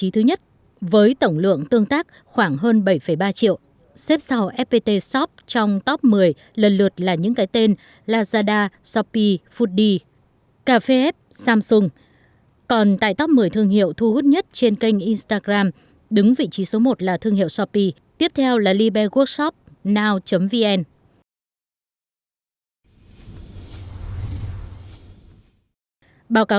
tại bảng xếp hãng top một mươi thương hiệu thu hút nhất trên kênh facebook tại thị trường việt nam